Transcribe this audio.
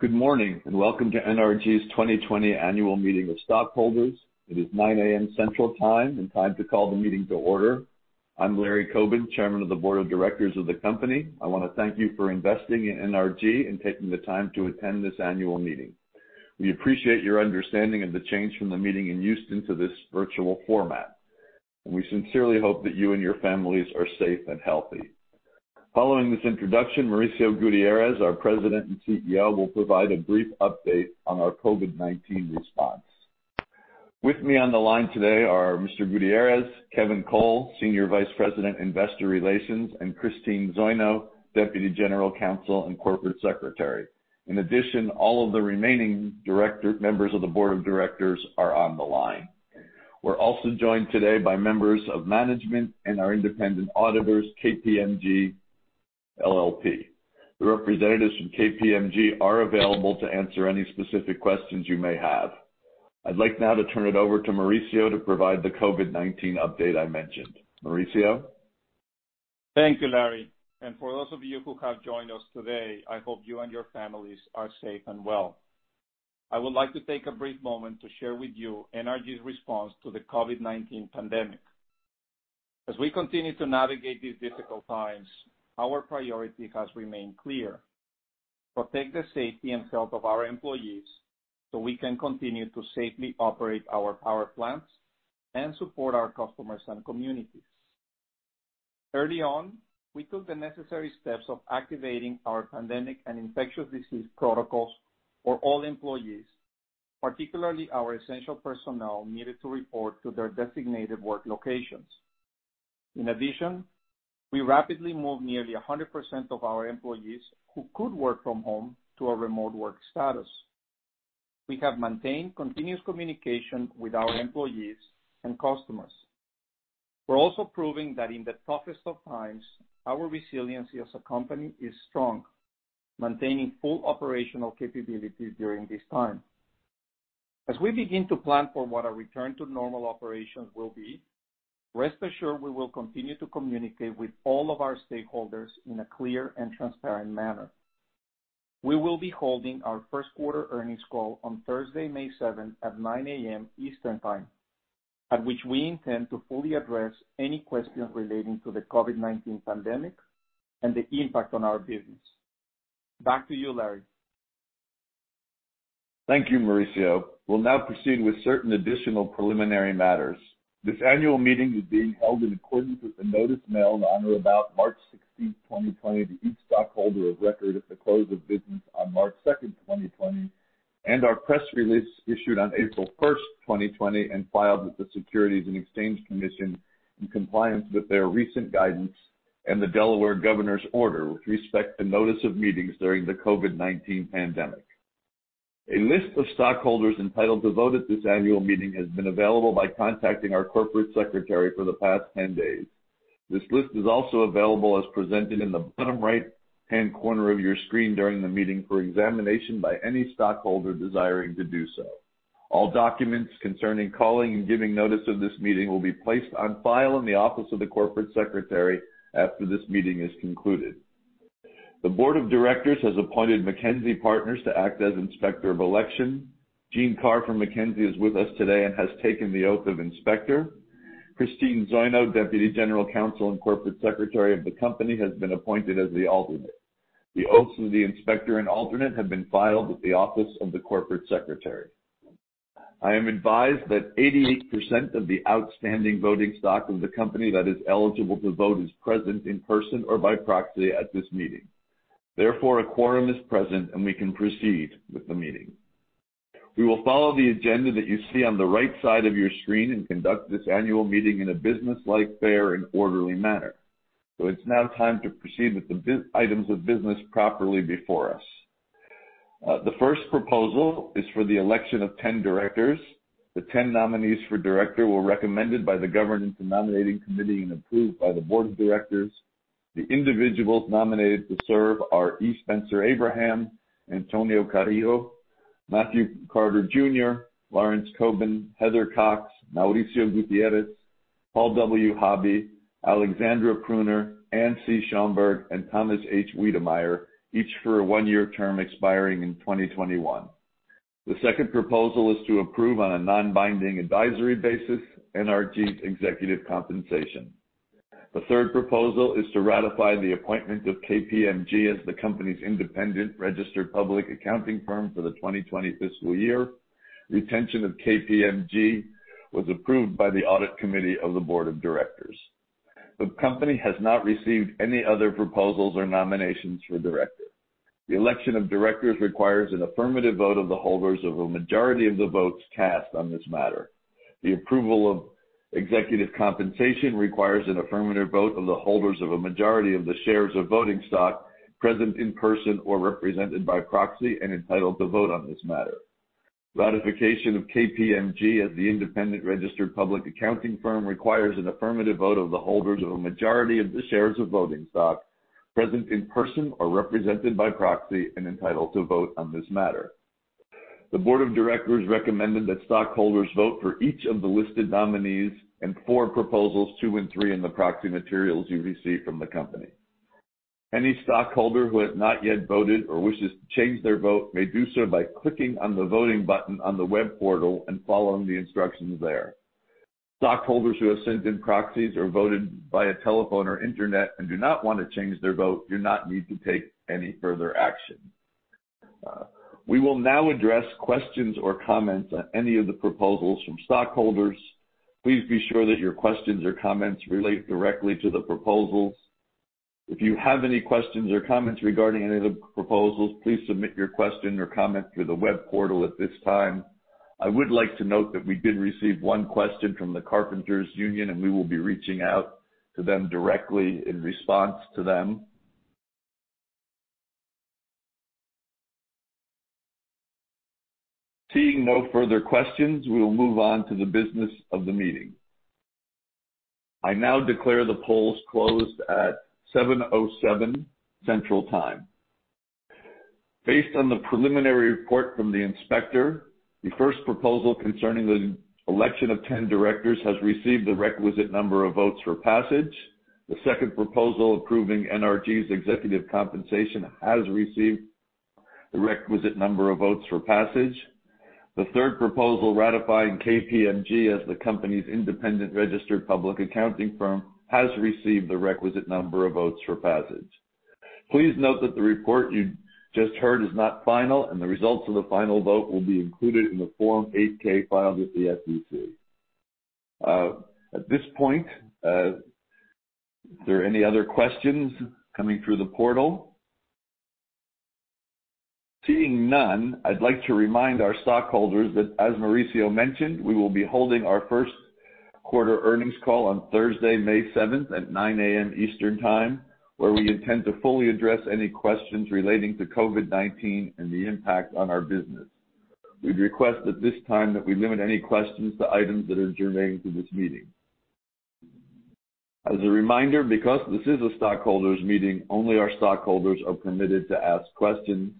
Good morning, and welcome to NRG's 2020 annual meeting of stockholders. It is 9:00 A.M. Central Time and time to call the meeting to order. I'm Larry Coben, Chairman of the Board of Directors of the company. I want to thank you for investing in NRG and taking the time to attend this annual meeting. We appreciate your understanding of the change from the meeting in Houston to this virtual format. We sincerely hope that you and your families are safe and healthy. Following this introduction, Mauricio Gutierrez, our President and CEO, will provide a brief update on our COVID-19 response. With me on the line today are Mr. Gutierrez, Kevin Cole, Senior Vice President, Investor Relations, and Christine Zoino, Deputy General Counsel and Corporate Secretary. In addition, all of the remaining members of the Board of Directors are on the line. We're also joined today by members of management and our independent auditors, KPMG LLP. The representatives from KPMG are available to answer any specific questions you may have. I'd like now to turn it over to Mauricio to provide the COVID-19 update I mentioned. Mauricio? Thank you, Larry. For those of you who have joined us today, I hope you and your families are safe and well. I would like to take a brief moment to share with you NRG's response to the COVID-19 pandemic. As we continue to navigate these difficult times, our priority has remained clear: protect the safety and health of our employees so we can continue to safely operate our power plants and support our customers and communities. Early on, we took the necessary steps of activating our pandemic and infectious disease protocols for all employees, particularly our essential personnel needed to report to their designated work locations. In addition, we rapidly moved nearly 100% of our employees who could work from home to a remote work status. We have maintained continuous communication with our employees and customers. We're also proving that in the toughest of times, our resiliency as a company is strong, maintaining full operational capability during this time. As we begin to plan for what our return to normal operations will be, rest assured we will continue to communicate with all of our stakeholders in a clear and transparent manner. We will be holding our first-quarter earnings call on Thursday, May 7th at 9:00 A.M. Eastern Time, at which we intend to fully address any questions relating to the COVID-19 pandemic and the impact on our business. Back to you, Larry. Thank you, Mauricio. We'll now proceed with certain additional preliminary matters. This annual meeting is being held in accordance with the notice mailed on or about March 16th, 2020, to each stockholder of record at the close of business on March 2nd, 2020, and our press release issued on April 1st, 2020 and filed with the Securities and Exchange Commission in compliance with their recent guidance and the Delaware Governor's order with respect to notice of meetings during the COVID-19 pandemic. A list of stockholders entitled to vote at this annual meeting has been available by contacting our corporate secretary for the past 10 days. This list is also available as presented in the bottom right-hand corner of your screen during the meeting for examination by any stockholder desiring to do so. All documents concerning calling and giving notice of this meeting will be placed on file in the office of the corporate secretary after this meeting is concluded. The board of directors has appointed MacKenzie Partners to act as inspector of election. Jeanne Carr from MacKenzie is with us today and has taken the oath of inspector. Christine Zoino, Deputy General Counsel and Corporate Secretary of the company, has been appointed as the alternate. The oaths of the inspector and alternate have been filed with the office of the corporate secretary. I am advised that 88% of the outstanding voting stock of the company that is eligible to vote is present in person or by proxy at this meeting. A quorum is present, and we can proceed with the meeting. We will follow the agenda that you see on the right side of your screen and conduct this annual meeting in a businesslike, fair, and orderly manner. It's now time to proceed with the items of business properly before us. The first proposal is for the election of 10 directors. The 10 nominees for director were recommended by the governance and nominating committee and approved by the board of directors. The individuals nominated to serve are E. Spencer Abraham, Antonio Carrillo, Matthew Carter Jr., Lawrence Coben, Heather Cox, Mauricio Gutierrez, Paul W. Hobby, Alexandra Pruner, Anne C. Schaumburg, and Thomas H. Weidemeyer, each for a one-year term expiring in 2021. The second proposal is to approve on a non-binding advisory basis NRG's executive compensation. The third proposal is to ratify the appointment of KPMG as the company's independent registered public accounting firm for the 2020 fiscal year. Retention of KPMG was approved by the audit committee of the board of directors. The company has not received any other proposals or nominations for directors. The election of directors requires an affirmative vote of the holders of a majority of the votes cast on this matter. The approval of executive compensation requires an affirmative vote of the holders of a majority of the shares of voting stock present in person or represented by proxy and entitled to vote on this matter. Ratification of KPMG as the independent registered public accounting firm requires an affirmative vote of the holders of a majority of the shares of voting stock present in person or represented by proxy and entitled to vote on this matter. The board of directors recommended that stockholders vote for each of the listed nominees and four proposals two and three in the proxy materials you received from the company. Any stockholder who has not yet voted or wishes to change their vote may do so by clicking on the voting button on the web portal and following the instructions there. Stockholders who have sent in proxies or voted via telephone or internet and do not want to change their vote do not need to take any further action. We will now address questions or comments on any of the proposals from stockholders. Please be sure that your questions or comments relate directly to the proposals. If you have any questions or comments regarding any of the proposals, please submit your question or comment through the web portal at this time. I would like to note that we did receive one question from the Carpenters Union, and we will be reaching out to them directly in response to them. Seeing no further questions, we will move on to the business of the meeting. I now declare the polls closed at 7:07 Central Time. Based on the preliminary report from the inspector, the first proposal concerning the election of 10 directors has received the requisite number of votes for passage. The second proposal approving NRG's executive compensation has received the requisite number of votes for passage. The third proposal ratifying KPMG as the company's independent registered public accounting firm has received the requisite number of votes for passage. Please note that the report you just heard is not final, and the results of the final vote will be included in the Form 8-K filed with the SEC. At this point, are there any other questions coming through the portal? Seeing none, I'd like to remind our stockholders that as Mauricio mentioned, we will be holding our first quarter earnings call on Thursday, May 7th at 9:00 A.M. Eastern Time, where we intend to fully address any questions relating to COVID-19 and the impact on our business. We'd request at this time that we limit any questions to items that are germane to this meeting. As a reminder, because this is a stockholders meeting, only our stockholders are permitted to ask questions.